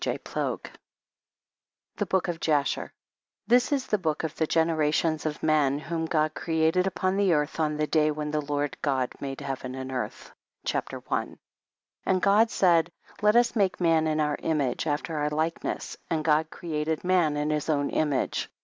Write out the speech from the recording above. '^c>^■^ nsD THE BOOK OF JASHER THIS IS THE BOOK OF THE GENERATIONS OF MAN WHOM GOD CREATED UPON THE EARTH ON THE DAY WHEN THE LORD GOD MADE HEAVEN AND EARTH. CHAPTER I. 1. And God said let us make man in our image, after our likeness, and God created man in his own image.